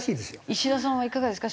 石田さんはいかがですか？